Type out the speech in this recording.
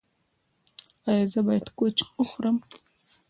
ایا زه باید کوچ وخورم؟